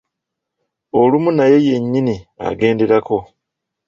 Olumu naye yenyini agendelako,